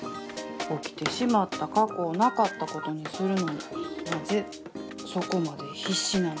起きてしまった過去をなかったことにするのになぜそこまで必死なんでしょう。